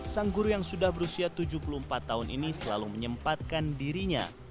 sang guru yang sudah berusia tujuh puluh empat tahun ini selalu menyempatkan dirinya